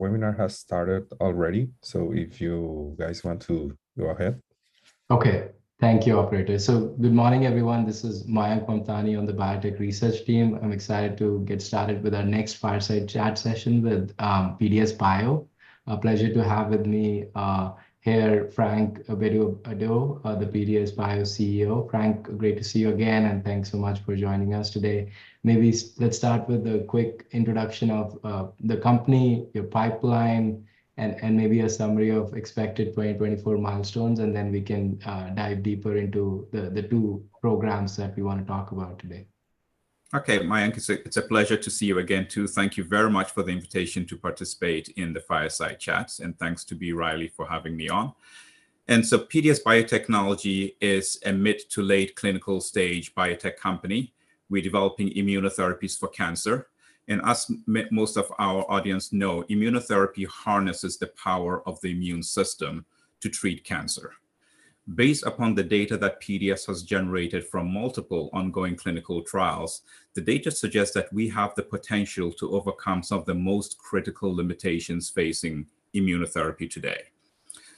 Webinar has started already, so if you guys want to go ahead. Okay. Thank you, operator. So good morning, everyone. This is Mayank Mamtani on the Biotech research team. I'm excited to get started with our next Fireside Chat session with PDS Biotech. A pleasure to have with me here Frank Bedu-Addo, the PDS Biotech CEO. Frank, great to see you again, and thanks so much for joining us today. Maybe let's start with a quick introduction of the company, your pipeline, and maybe a summary of expected 2024 milestones, and then we can dive deeper into the two programs that we wanna talk about today. Okay, Mayank, it's a pleasure to see you again, too. Thank you very much for the invitation to participate in the Fireside Chats, and thanks to B. Riley for having me on. PDS Biotechnology is a mid-to-late clinical stage biotech company. We're developing immunotherapies for cancer. As most of our audience know, immunotherapy harnesses the power of the immune system to treat cancer. Based upon the data that PDS has generated from multiple ongoing clinical trials, the data suggests that we have the potential to overcome some of the most critical limitations facing immunotherapy today.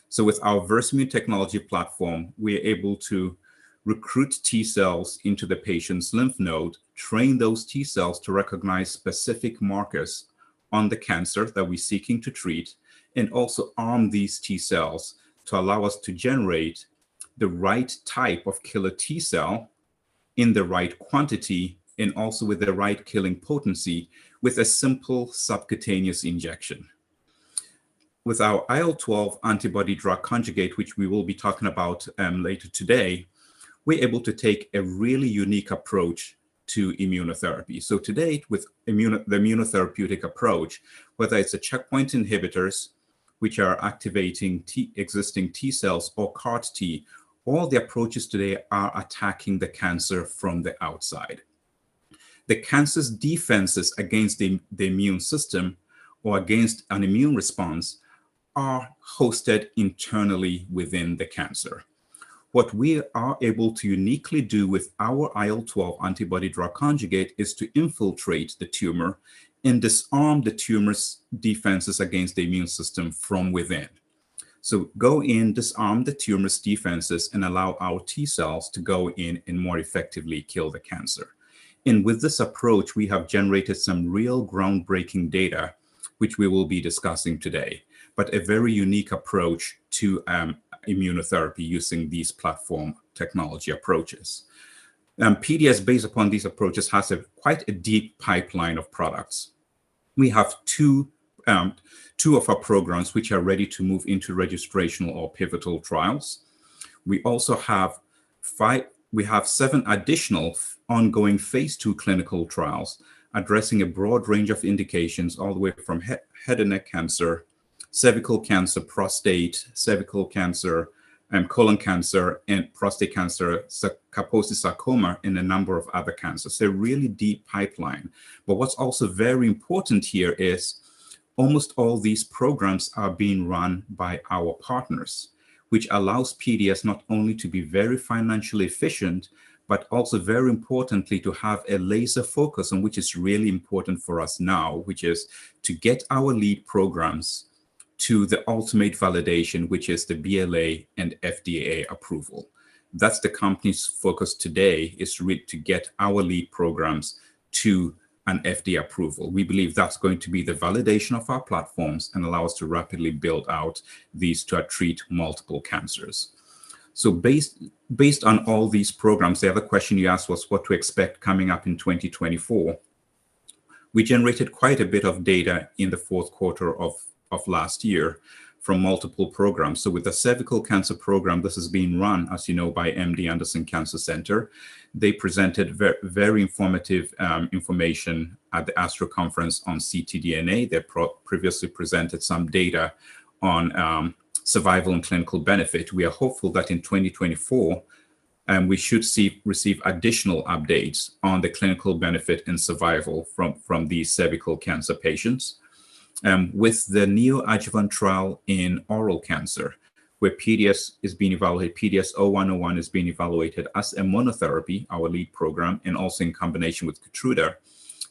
So with our Versamune technology platform, we're able to recruit T-cells into the patient's lymph node, train those T-cells to recognize specific markers on the cancer that we're seeking to treat, and also arm these T-cells to allow us to generate the right type of killer T-cell in the right quantity, and also with the right killing potency, with a simple subcutaneous injection. With our IL-12 antibody-drug conjugate, which we will be talking about, later today, we're able to take a really unique approach to immunotherapy. So to date, with the immunotherapeutic approach, whether it's the checkpoint inhibitors, which are activating existing T-cells or CAR T, all the approaches today are attacking the cancer from the outside. The cancer's defenses against the immune system or against an immune response are hosted internally within the cancer. What we are able to uniquely do with our IL-12 antibody-drug conjugate is to infiltrate the tumor and disarm the tumor's defenses against the immune system from within. So go in, disarm the tumor's defenses, and allow our T-cells to go in and more effectively kill the cancer. And with this approach, we have generated some real groundbreaking data, which we will be discussing today, but a very unique approach to immunotherapy using these platform technology approaches. PDS, based upon these approaches, has quite a deep pipeline of products. We have two of our programs which are ready to move into registrational or pivotal trials. We also have we have seven additional ongoing phase II clinical trials addressing a broad range of indications, all the way from head and neck cancer, cervical cancer, prostate, cervical cancer, colon cancer, and prostate cancer, Kaposi sarcoma, and a number of other cancers, so a really deep pipeline. But what's also very important here is almost all these programs are being run by our partners, which allows PDS not only to be very financially efficient, but also, very importantly, to have a laser focus on which is really important for us now, which is to get our lead programs to the ultimate validation, which is the BLA and FDA approval. That's the company's focus today, is to get our lead programs to an FDA approval. We believe that's going to be the validation of our platforms and allow us to rapidly build out these to treat multiple cancers. So based on all these programs, the other question you asked was what to expect coming up in 2024. We generated quite a bit of data in the Q4 of last year from multiple programs. So with the cervical cancer program, this is being run, as you know, by MD Anderson Cancer Center. They presented very informative information at the ASTRO Conference on ctDNA. They previously presented some data on survival and clinical benefit. We are hopeful that in 2024, we should receive additional updates on the clinical benefit and survival from these cervical cancer patients. With the neoadjuvant trial in oral cancer, where PDS is being evaluated, PDS-0101 is being evaluated as a monotherapy, our lead program, and also in combination with KEYTRUDA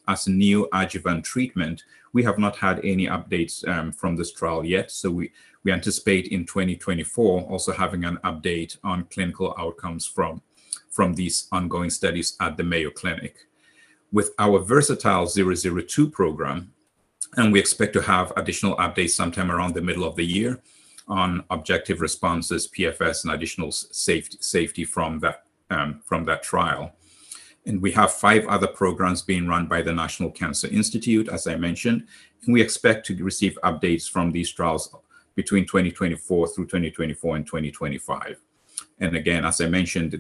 as a neoadjuvant treatment. We have not had any updates from this trial yet, so we anticipate in 2024 also having an update on clinical outcomes from these ongoing studies at the Mayo Clinic. With our VERSATILE-002 program, and we expect to have additional updates sometime around the middle of the year on objective responses, PFS, and additional safety from that trial. And we have five other programs being run by the National Cancer Institute, as I mentioned, and we expect to receive updates from these trials between 2024 through 2024 and 2025. Again, as I mentioned,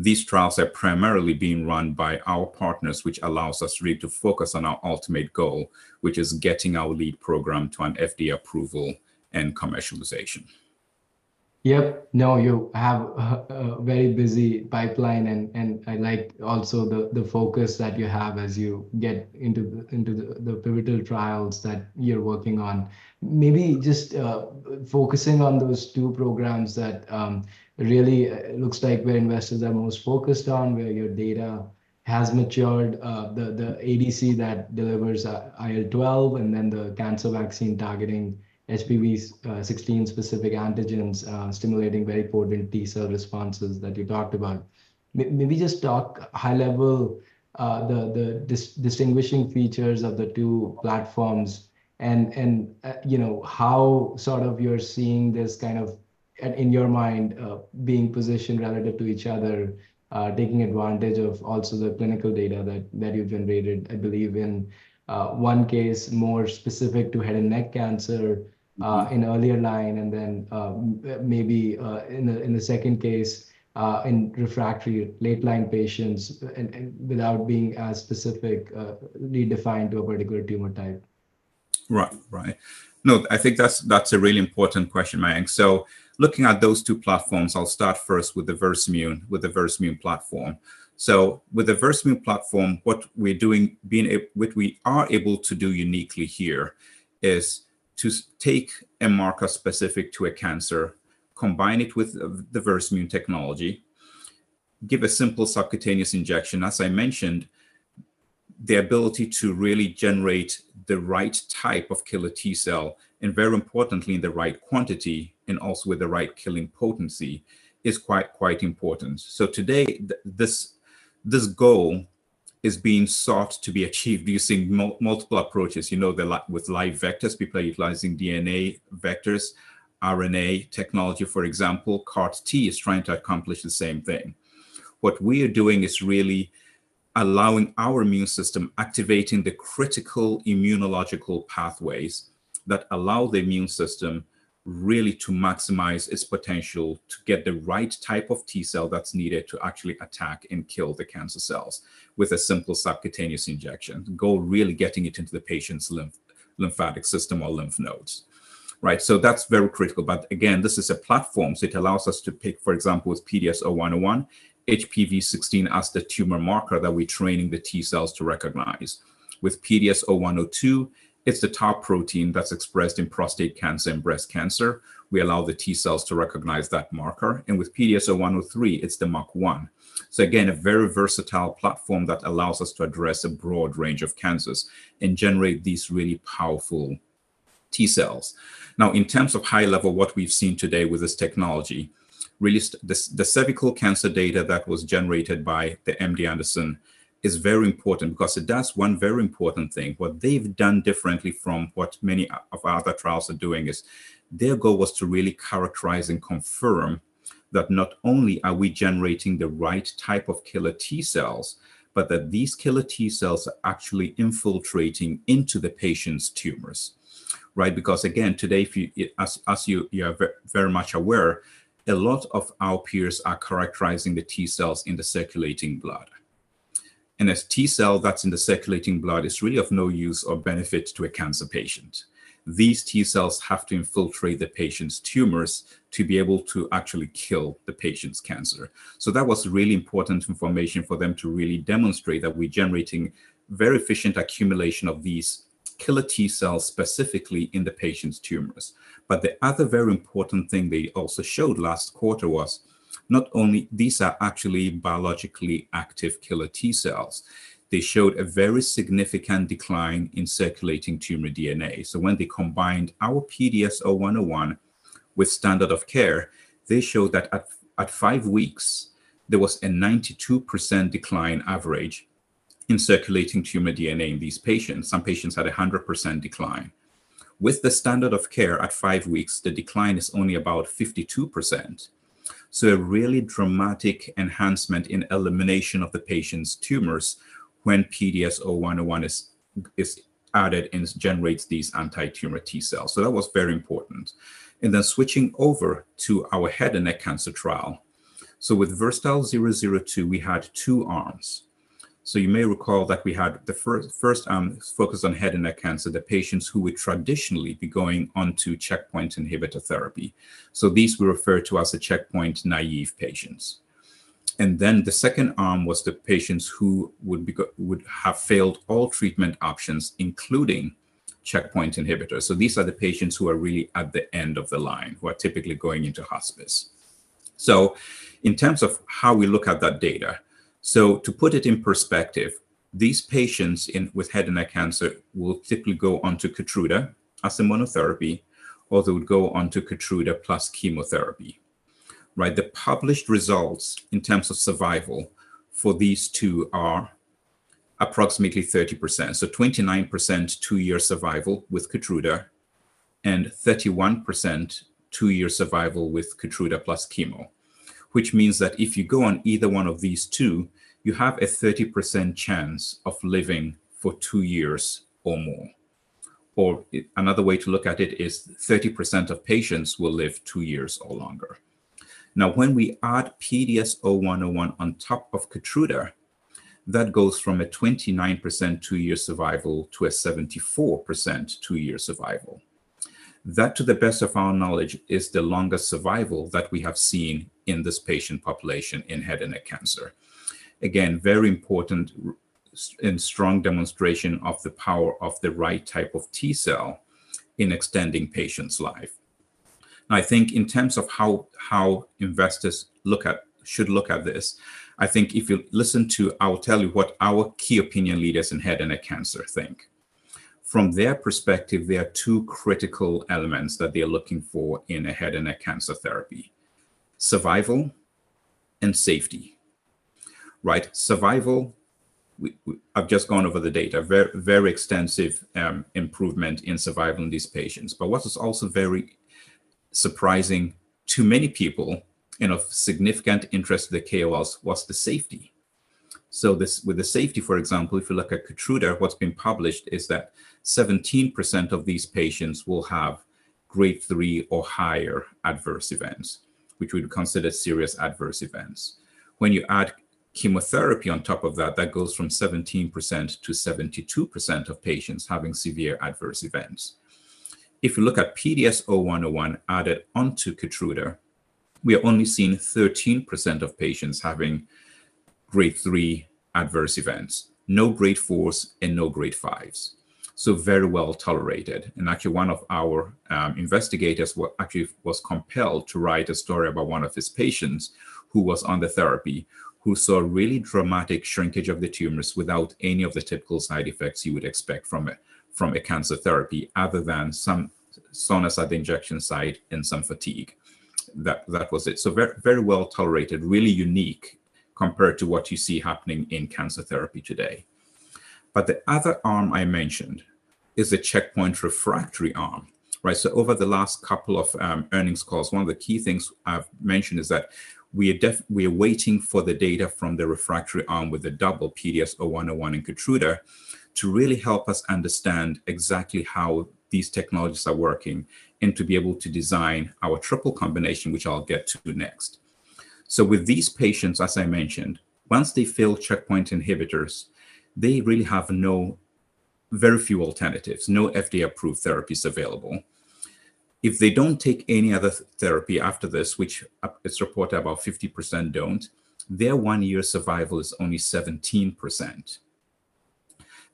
these trials are primarily being run by our partners, which allows us really to focus on our ultimate goal, which is getting our lead program to an FDA approval and commercialization. Yep. You have a very busy pipeline, and I like also the focus that you have as you get into the pivotal trials that you're working on. Maybe just focusing on those two programs that really looks like where investors are most focused on, where your data has matured, the ADC that delivers IL-12, and then the cancer vaccine targeting HPV16 specific antigens, stimulating very potent T-cell responses that you talked about. Maybe just talk high level, the distinguishing features of the two platforms and, you know, how sort of you're seeing this kind of, in your mind, being positioned relative to each other, taking advantage of also the clinical data that you've generated, I believe, in one case more specific to head and neck cancer in earlier line, and then, maybe, in the second case, in refractory late-line patients and without being as specific, predefined to a particular tumor type. Right. I think that's a really important question, Mayank. So looking at those two platforms, I'll start first with the Versamune, with the Versamune platform. So with the Versamune platform, what we're doing, what we are able to do uniquely here is to take a marker specific to a cancer, combine it with the Versamune technology, give a simple subcutaneous injection. As I mentioned, the ability to really generate the right type of killer T-cell, and very importantly, in the right quantity and also with the right killing potency, is quite, quite important. So today, this, this goal is being sought to be achieved using multiple approaches. You know, with live vectors, people are utilizing DNA vectors, RNA technology, for example, CAR T is trying to accomplish the same thing. What we are doing is really allowing our immune system, activating the critical immunological pathways that allow the immune system really to maximize its potential to get the right type of T-cell that's needed to actually attack and kill the cancer cells with a simple subcutaneous injection. The goal, really getting it into the patient's lymphatic system or lymph nodes, right? So that's very critical. But again, this is a platform, so it allows us to pick, for example, with PDS-0101, HPV16 as the tumor marker that we're training the T-cells to recognize. With PDS-0102, it's the TARP protein that's expressed in prostate cancer and breast cancer. We allow the T-cells to recognize that marker, and with PDS-0103, it's the MUC1. So again, a very versatile platform that allows us to address a broad range of cancers and generate these really powerful T-cells. Now, in terms of high level, what we've seen today with this technology, really, the cervical cancer data that was generated by the MD Anderson is very important because it does one very important thing. What they've done differently from what many of other trials are doing is, their goal was to really characterize and confirm that not only are we generating the right type of killer T-cells, but that these killer T-cells are actually infiltrating into the patient's tumors, right? Because, again, today, as you are very much aware, a lot of our peers are characterizing the T-cells in the circulating blood. And a T-cell that's in the circulating blood is really of no use or benefit to a cancer patient. These T-cells have to infiltrate the patient's tumors to be able to actually kill the patient's cancer. So that was really important information for them to really demonstrate that we're generating very efficient accumulation of these killer T-cells, specifically in the patient's tumors. But the other very important thing they also showed last quarter was not only these are actually biologically active killer T-cells, they showed a very significant decline in circulating tumor DNA. So when they combined our PDS-0101 with standard of care, they showed that at five weeks, there was a 92% decline average in circulating tumor DNA in these patients. Some patients had a 100% decline. With the standard of care at five weeks, the decline is only about 52%. So a really dramatic enhancement in elimination of the patient's tumors when PDS-0101 is added and generates these anti-tumor T-cells. So that was very important. And then switching over to our head and neck cancer trial. So with VERSATILE-002, we had two arms. So you may recall that we had the first arm focused on head and neck cancer, the patients who would traditionally be going on to checkpoint inhibitor therapy. So these were referred to as the checkpoint-naive patients. And then the second arm was the patients who would have failed all treatment options, including checkpoint inhibitors. So these are the patients who are really at the end of the line, who are typically going into hospice. So in terms of how we look at that data, so to put it in perspective, these patients with head and neck cancer will typically go on to KEYTRUDA as a monotherapy, or they would go on to KEYTRUDA plus chemotherapy, right? The published results in terms of survival for these two are approximately 30%. So 29% two-year survival with KEYTRUDA, and 31% two-year survival with KEYTRUDA plus chemo, which means that if you go on either one of these two, you have a 30% chance of living for two years or more. Another way to look at it is 30% of patients will live two years or longer. Now, when we add PDS-0101 on top of KEYTRUDA, that goes from a 29% two-year survival to a 74% two-year survival. That, to the best of our knowledge, is the longest survival that we have seen in this patient population in head and neck cancer. Again, very important and strong demonstration of the power of the right type of T-cell in extending patients' life. I think in terms of how investors look at, should look at this, I think if you listen to, I will tell you what our key opinion leaders in head and neck cancer think. From their perspective, there are two critical elements that they're looking for in a head and neck cancer therapy: survival and safety, right? Survival, I've just gone over the data, very extensive improvement in survival in these patients. But what is also very surprising to many people and of significant interest to the KOLs was the safety. So this, with the safety, for example, if you look at KEYTRUDA, what's been published is that 17% of these patients will have grade three or higher adverse events, which we would consider serious adverse events. When you add chemotherapy on top of that, that goes from 17% to 72% of patients having severe adverse events. If you look at PDS-0101 added onto KEYTRUDA, we are only seeing 13% of patients having grade 3 adverse events, no grade 4s, and no grade 5s, so very well-tolerated. And actually, one of our investigators actually was compelled to write a story about one of his patients who was on the therapy, who saw really dramatic shrinkage of the tumors without any of the typical side effects you would expect from a cancer therapy, other than some soreness at the injection site and some fatigue. That was it. So very well-tolerated, really unique compared to what you see happening in cancer therapy today. But the other arm I mentioned is the checkpoint refractory arm, right? So over the last couple of earnings calls, one of the key things I've mentioned is that we are waiting for the data from the refractory arm with the double PDS-0101 and KEYTRUDA to really help us understand exactly how these technologies are working, and to be able to design our triple combination, which I'll get to next. So with these patients, as I mentioned, once they fail checkpoint inhibitors, they really have no, very few alternatives, no FDA-approved therapies available. If they don't take any other therapy after this, which, it's reported about 50% don't, their one-year survival is only 17%.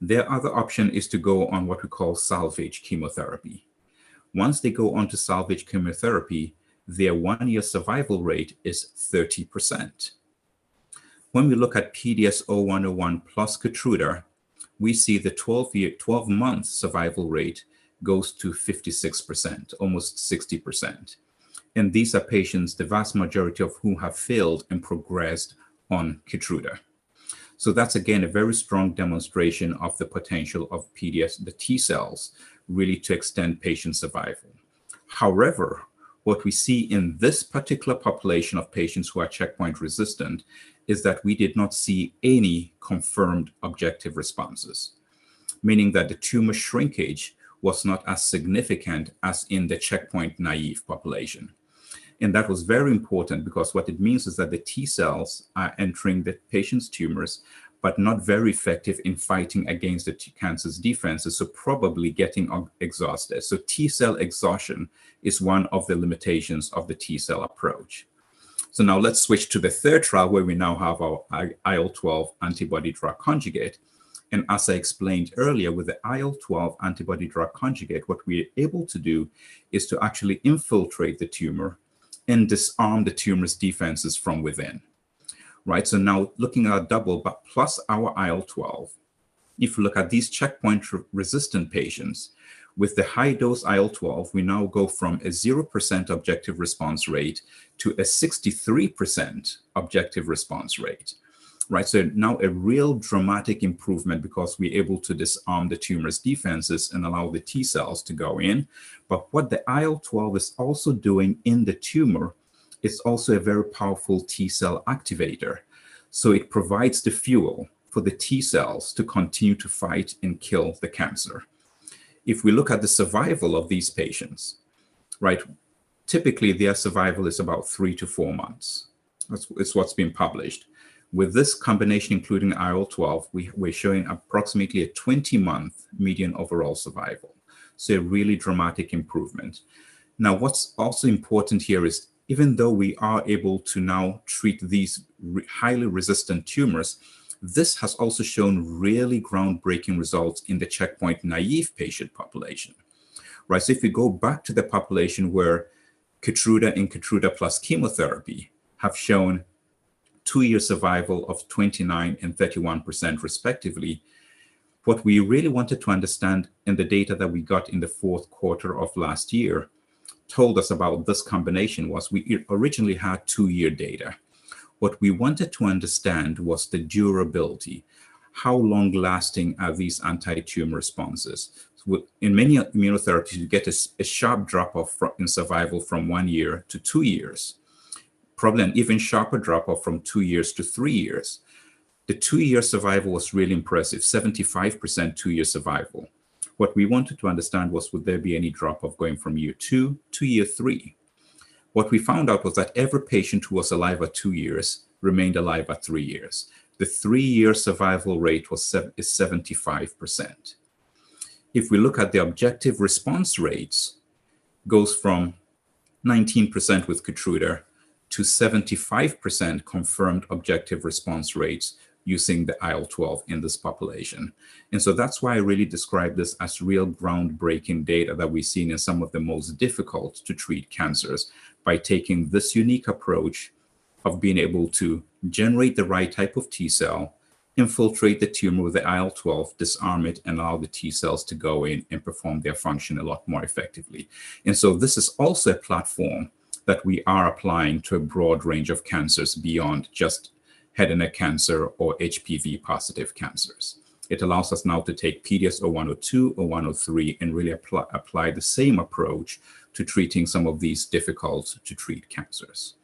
Their other option is to go on what we call salvage chemotherapy. Once they go on to salvage chemotherapy, their one-year survival rate is 30%. When we look at PDS-0101 plus KEYTRUDA, we see the 12-month survival rate goes to 56%, almost 60%, and these are patients, the vast majority of whom have failed and progressed on KEYTRUDA. So that's, again, a very strong demonstration of the potential of PDS and the T-cells, really to extend patient survival. However, what we see in this particular population of patients who are checkpoint-resistant, is that we did not see any confirmed objective responses, meaning that the tumor shrinkage was not as significant as in the checkpoint-naïve population. And that was very important because what it means is that the T-cells are entering the patient's tumors, but not very effective in fighting against the cancer's defenses, so probably getting exhausted. So T-cell exhaustion is one of the limitations of the T-cell approach. So now let's switch to the third trial, where we now have our IL-12 antibody drug conjugate. As I explained earlier, with the IL-12 antibody drug conjugate, what we're able to do is to actually infiltrate the tumor and disarm the tumor's defenses from within, right? So now looking at doublet, but plus our IL-12, if you look at these checkpoint-resistant patients, with the high-dose IL-12, we now go from a 0% objective response rate to a 63% objective response rate, right? So now a real dramatic improvement because we're able to disarm the tumor's defenses and allow the T-cells to go in. But what the IL-12 is also doing in the tumor, it's also a very powerful T-cell activator, so it provides the fuel for the T-cells to continue to fight and kill the cancer. If we look at the survival of these patients, right, typically, their survival is about three to four months. That's what's been published. With this combination, including IL-12, we're showing approximately a 20-month median overall survival, so a really dramatic improvement. Now, what's also important here is, even though we are able to now treat these highly resistant tumors, this has also shown really groundbreaking results in the checkpoint-naïve patient population, right? So if we go back to the population where KEYTRUDA and KEYTRUDA plus chemotherapy have shown two-year survival of 29% and 31% respectively, what we really wanted to understand, and the data that we got in the Q4 of last year told us about this combination, was we originally had two-year data. What we wanted to understand was the durability. How long-lasting are these anti-tumor responses? In many immunotherapies, you get a sharp drop-off in survival from one year to two years. Probably an even sharper drop-off from two years to three years. The two-year survival was really impressive, 75% two-year survival. What we wanted to understand was, would there be any drop-off going from year two to year three? What we found out was that every patient who was alive at two years remained alive at three years. The three-year survival rate is 75%. If we look at the objective response rates, goes from 19% with KEYTRUDA to 75% confirmed objective response rates using the IL-12 in this population. That's why I really describe this as real groundbreaking data that we've seen in some of the most difficult-to-treat cancers, by taking this unique approach of being able to generate the right type of T-cell, infiltrate the tumor with the IL-12, disarm it, and allow the T-cells to go in and perform their function a lot more effectively. This is also a platform that we are applying to a broad range of cancers beyond just head and neck cancer or HPV-positive cancers. It allows us now to take PDS-0102 or PDS-0103, and really apply, apply the same approach to treating some of these difficult-to-treat cancers.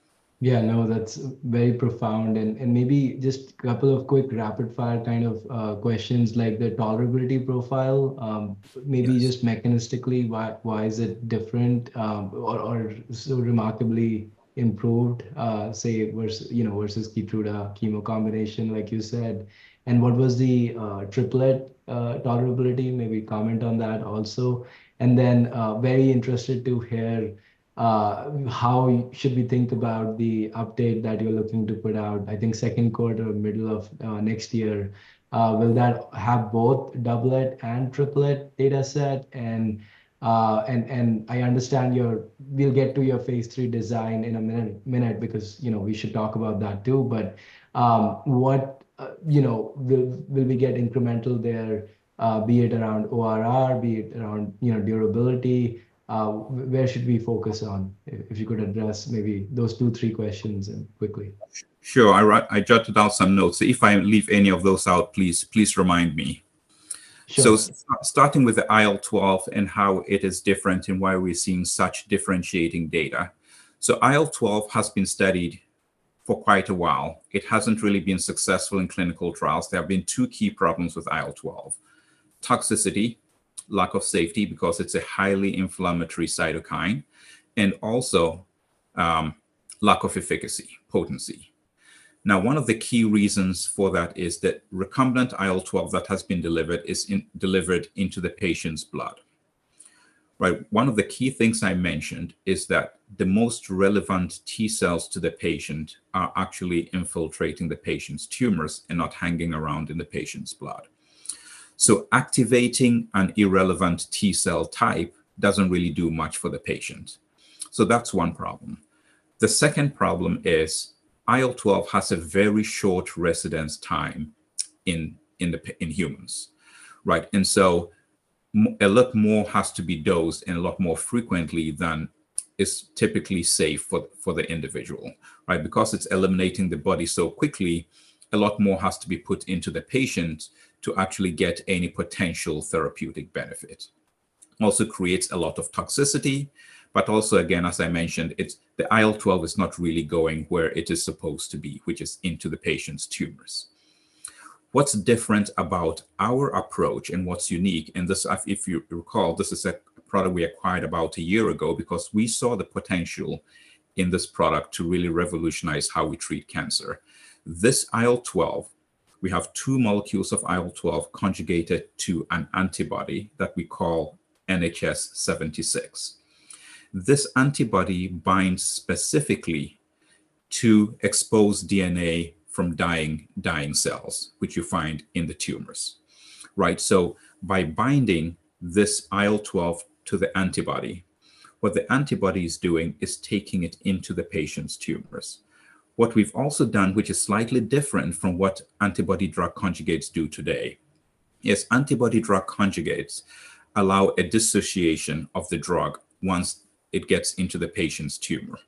Yeah, that's very profound. And maybe just a couple of quick rapid-fire kind of questions, like the tolerability profile. Yes. Maybe just mechanistically, why is it different, or so remarkably improved, say, versus, you know, versus KEYTRUDA chemo combination, like you said? And what was the triplet tolerability? Maybe comment on that also. And then, very interested to hear, how should we think about the update that you're looking to put out, I think Q2 or middle of next year. Will that have both doublet and triplet dataset? and I understand we'll get to your phase III design in a minute because, you know, we should talk about that too. But, what, you know, will we get incremental there, be it around ORR, be it around, you know, durability? Where should we focus on? If you could address maybe those two, three questions quickly. Sure. I jotted down some notes, so if I leave any of those out, please remind me. Sure. Starting with the IL-12 and how it is different and why we're seeing such differentiating data. IL-12 has been studied for quite a while. It hasn't really been successful in clinical trials. There have been two key problems with IL-12: toxicity, lack of safety, because it's a highly inflammatory cytokine, and also, lack of efficacy, potency. Now, one of the key reasons for that is that recombinant IL-12 that has been delivered is delivered into the patient's blood, right? One of the key things I mentioned is that the most relevant T-cells to the patient are actually infiltrating the patient's tumors and not hanging around in the patient's blood. Activating an irrelevant T-cell type doesn't really do much for the patient. That's one problem. The second problem is IL-12 has a very short residence time in humans, right? And so a lot more has to be dosed and a lot more frequently than is typically safe for the individual, right? Because it's eliminating the body so quickly, a lot more has to be put into the patient to actually get any potential therapeutic benefit. Also creates a lot of toxicity, but also, again, as I mentioned, it's the IL-12 is not really going where it is supposed to be, which is into the patient's tumors. What's different about our approach and what's unique, and this, if you recall, this is a product we acquired about a year ago because we saw the potential in this product to really revolutionize how we treat cancer. This IL-12, we have two molecules of IL-12 conjugated to an antibody that we call NHS76. This antibody binds specifically to expose DNA from dying, dying cells, which you find in the tumors, right? So by binding this IL-12 to the antibody, what the antibody is doing is taking it into the patient's tumors. What we've also done, which is slightly different from what antibody drug conjugates do today, is antibody drug conjugates allow a dissociation of the drug once it gets into the patient's tumor.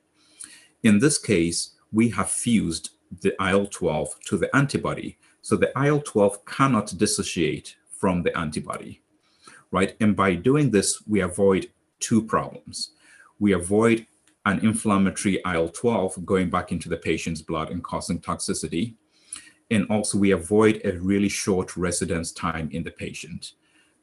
In this case, we have fused the IL-12 to the antibody, so the IL-12 cannot dissociate from the antibody, right? By doing this, we avoid two problems. We avoid an inflammatory IL-12 going back into the patient's blood and causing toxicity, and also, we avoid a really short residence time in the patient.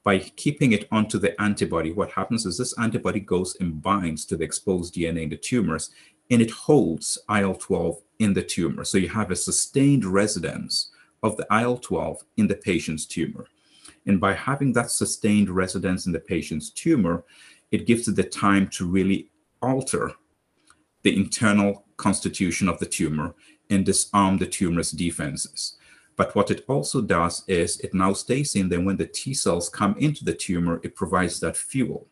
By keeping it onto the antibody, what happens is this antibody goes and binds to the exposed DNA in the tumors, and it holds IL-12 in the tumor. You have a sustained residence of the IL-12 in the patient's tumor. By having that sustained residence in the patient's tumor, it gives it the time to really alter the internal constitution of the tumor and disarm the tumor's defenses. But what it also does is it now stays in there. When the T-cells come into the tumor, it provides that fuel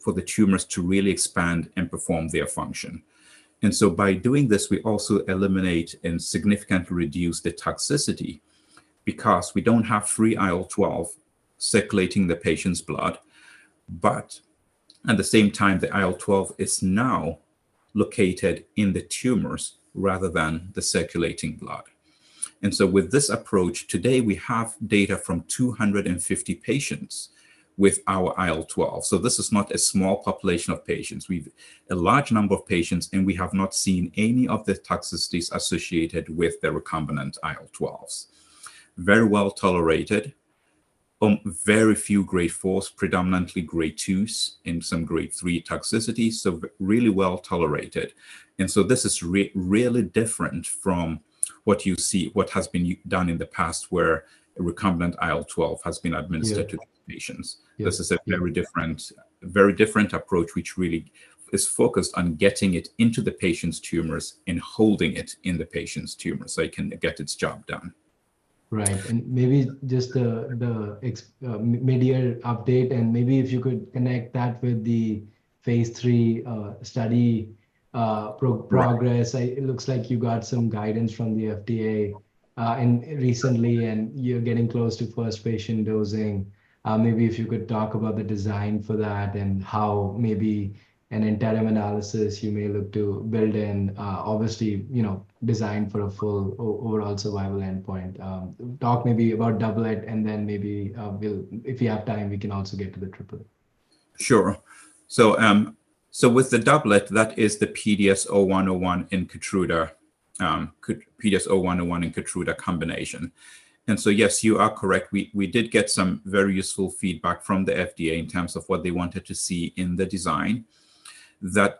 for the tumors to really expand and perform their function. By doing this, we also eliminate and significantly reduce the toxicity because we don't have free IL-12 circulating in the patient's blood. But at the same time, the IL-12 is now located in the tumors rather than the circulating blood. With this approach, today we have data from 250 patients with our IL-12, so this is not a small population of patients. We've a large number of patients, and we have not seen any of the toxicities associated with the recombinant IL-12s. Very well tolerated, very few grade fours, predominantly grade twos and some grade three toxicity, so really well tolerated. And so this is really different from what you see, what has been done in the past, where a recombinant IL-12 has been administered to patients. Yeah. This is a very different, very different approach, which really is focused on getting it into the patient's tumors and holding it in the patient's tumor, so it can get its job done. Right. And maybe just the medical update, and maybe if you could connect that with the phase 3 study progress. It looks like you got some guidance from the FDA and recently, and you're getting close to first patient dosing. Maybe if you could talk about the design for that and how maybe an interim analysis you may look to build in, obviously, you know, design for a full overall survival endpoint. Talk maybe about doublet, and then maybe, we'll if you have time, we can also get to the triplet. Sure. So with the doublet, that is the PDS-0101 in KEYTRUDA, PDS-0101 in KEYTRUDA combination. And so, yes, you are correct. We did get some very useful feedback from the FDA in terms of what they wanted to see in the design, that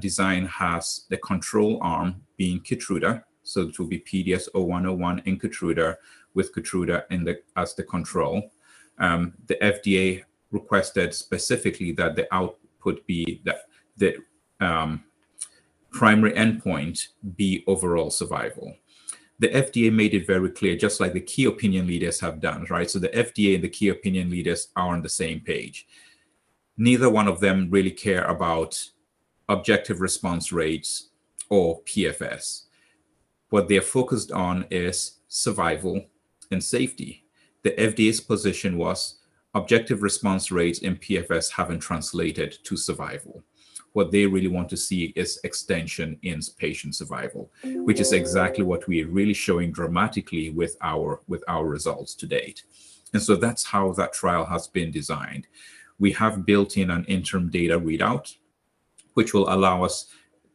design has the control arm being KEYTRUDA, so it will be PDS-0101 in KEYTRUDA, with KEYTRUDA as the control. The FDA requested specifically that the output be the primary endpoint be overall survival. The FDA made it very clear, just like the key opinion leaders have done, right? So the FDA and the key opinion leaders are on the same page. Neither one of them really care about objective response rates or PFS. What they're focused on is survival and safety. The FDA's position was objective response rates and PFS haven't translated to survival. What they really want to see is extension in patient survival.... which is exactly what we are really showing dramatically with our results to date. And so that's how that trial has been designed. We have built in an interim data readout, which will allow us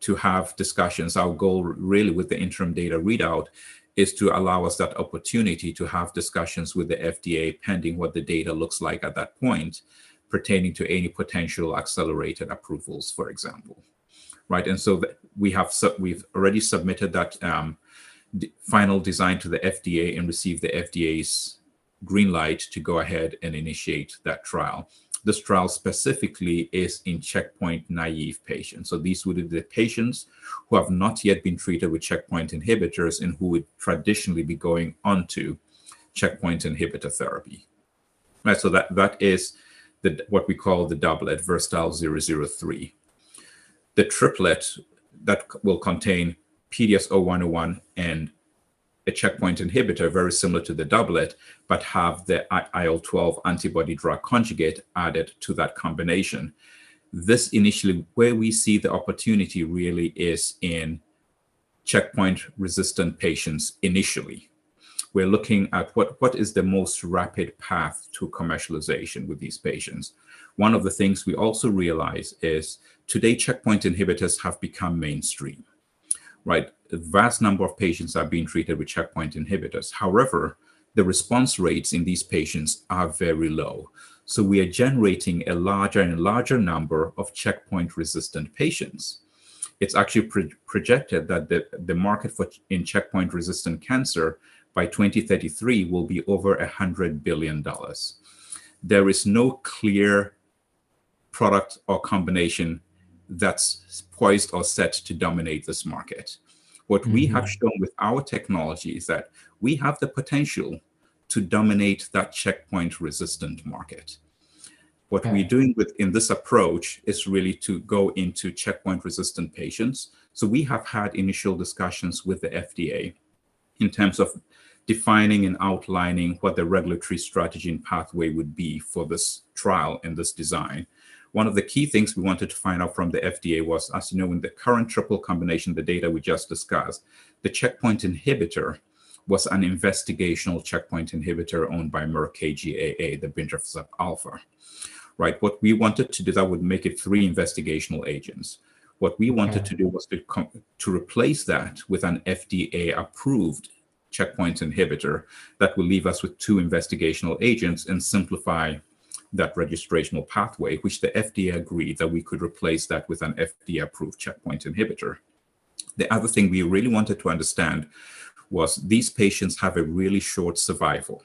to have discussions. Our goal really with the interim data readout is to allow us that opportunity to have discussions with the FDA, pending what the data looks like at that point, pertaining to any potential accelerated approvals, for example. Right, and so we've already submitted that, the final design to the FDA and received the FDA's green light to go ahead and initiate that trial. This trial specifically is in checkpoint-naïve patients. So these would be the patients who have not yet been treated with checkpoint inhibitors and who would traditionally be going on to checkpoint inhibitor therapy. Right, so that is what we call the doublet, VERSATILE-003. The triplet that will contain PDS-0101 and a checkpoint inhibitor, very similar to the doublet, but have the IL-12 antibody drug conjugate added to that combination. Where we see the opportunity really is in checkpoint-resistant patients initially. We're looking at what is the most rapid path to commercialization with these patients? One of the things we also realize is today, checkpoint inhibitors have become mainstream, right? A vast number of patients are being treated with checkpoint inhibitors. However, the response rates in these patients are very low, so we are generating a larger and larger number of checkpoint-resistant patients. It's actually projected that the market for in checkpoint-resistant cancer by 2033 will be over $100 billion. There is no clear product or combination that's poised or set to dominate this market. What we have shown with our technology is that we have the potential to dominate that checkpoint-resistant market. What we're doing within this approach is really to go into checkpoint-resistant patients. So we have had initial discussions with the FDA in terms of defining and outlining what the regulatory strategy and pathway would be for this trial and this design. One of the key things we wanted to find out from the FDA was, as you know, in the current triple combination, the data we just discussed, the checkpoint inhibitor was an investigational checkpoint inhibitor owned by Merck KGaA, bintrafusp alfa. Right, what we wanted to do - that would make it three investigational agents. What we wanted to do was to replace that with an FDA-approved checkpoint inhibitor that will leave us with two investigational agents and simplify that registrational pathway, which the FDA agreed that we could replace that with an FDA-approved checkpoint inhibitor. The other thing we really wanted to understand was, these patients have a really short survival.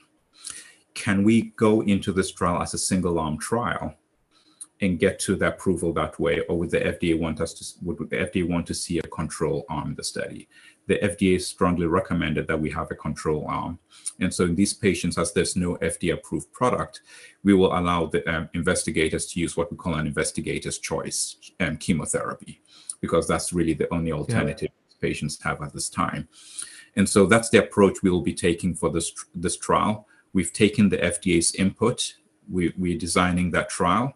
Can we go into this trial as a single-arm trial and get to the approval that way, or would the FDA want to see a control arm in the study? The FDA strongly recommended that we have a control arm. And so in these patients, as there's no FDA-approved product, we will allow the investigators to use what we call an investigator's choice chemotherapy, because that's really the only alternative patients have at this time And so that's the approach we will be taking for this trial. We've taken the FDA's input. We're designing that trial.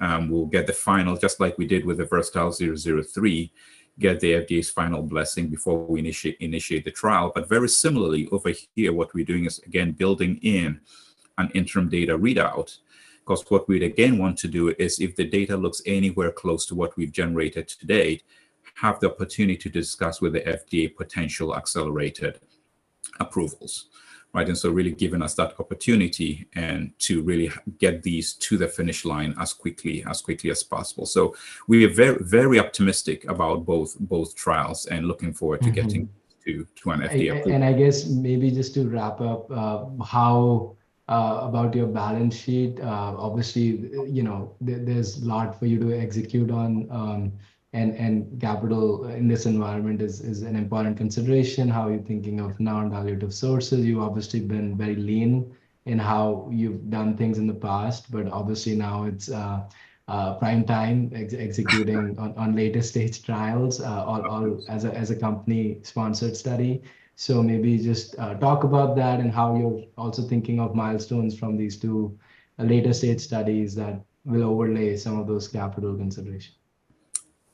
We'll get the final, just like we did with the VERSATILE-003, get the FDA's final blessing before we initiate the trial. But very similarly, over here, what we're doing is, again, building in an interim data readout, 'cause what we'd again want to do is, if the data looks anywhere close to what we've generated to date, have the opportunity to discuss with the FDA potential accelerated approvals, right? And so really giving us that opportunity and to really get these to the finish line as quickly as possible. We are very optimistic about both trials and looking forward-to getting to, to an FDA approval. I guess maybe just to wrap up, how about your balance sheet, obviously, you know, there's a lot for you to execute on, and capital in this environment is an important consideration. How are you thinking of non-dilutive sources? You've obviously been very lean in how you've done things in the past, but obviously now it's prime time executing on later-stage trials, or as a company-sponsored study. So maybe just talk about that and how you're also thinking of milestones from these two later-stage studies that will overlay some of those capital considerations.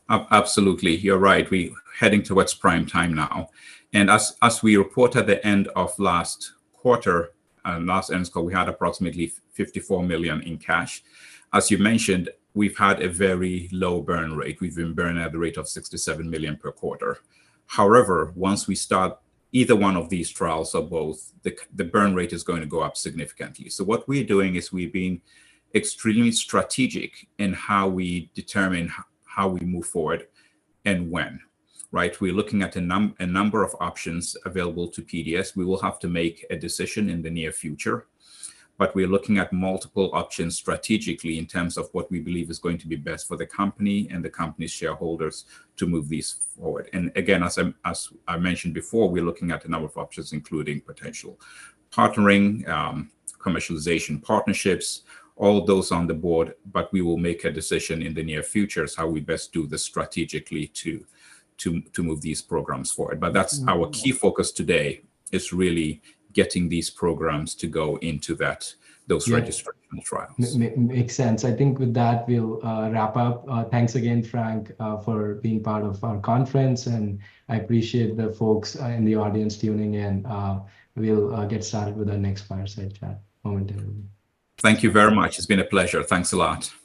Absolutely. You're right, we're heading towards prime time now. And as we reported at the end of last quarter, we had approximately $54 million in cash. As you mentioned, we've had a very low burn rate. We've been burning at the rate of $67 million per quarter. However, once we start either one of these trials or both, the burn rate is going to go up significantly. What we're doing is we've been extremely strategic in how we determine how we move forward and when, right? We're looking at a number of options available to PDS. We will have to make a decision in the near future, but we're looking at multiple options strategically in terms of what we believe is going to be best for the company and the company's shareholders to move these forward. Again, as I mentioned before, we're looking at a number of options, including potential partnering, commercialization partnerships, all of those on the board. We will make a decision in the near future as how we best do this strategically to move these programs forward. But that's our key focus today, is really getting these programs to go into those registrational trials. Makes sense. I think with that, we'll wrap up. Thanks again, Frank, for being part of our conference, and I appreciate the folks in the audience tuning in. We'll get started with our next fireside chat momentarily. Thank you very much. It's been a pleasure. Thanks a lot.